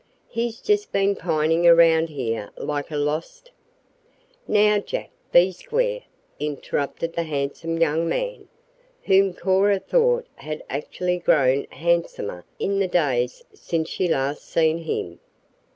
"He's just been pining around here like a lost " "Now, Jack, be square," interrupted the handsome young man, whom Cora thought had actually grown handsomer in the days since she had last seen him.